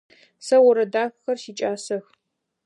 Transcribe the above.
Сэ орэд дахэхэр сикӏасэх.